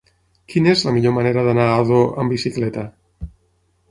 Quina és la millor manera d'anar a Ador amb bicicleta?